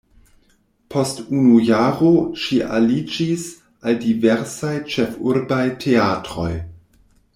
Post unu jaro ŝi aliĝis al diversaj ĉefurbaj teatroj.